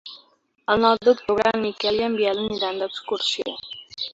El nou d'octubre en Miquel i en Biel aniran d'excursió.